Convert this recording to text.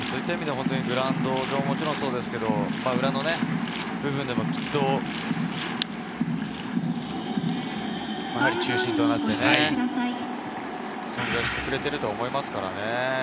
グラウンド上もそうですが、裏の部分でもきっと中心となって存在してくれていると思いますからね。